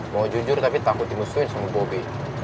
mau jujur tapi takut dimusuhin sama bobby